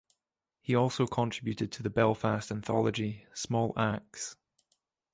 He also contributed to the Belfast anthology "Small Axe".